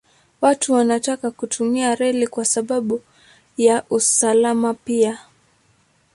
Watu wanataka kutumia reli kwa sababu ya usalama pia.